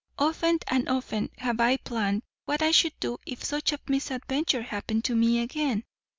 Often and often have I planned what I should do if such a misadventure happened to me again.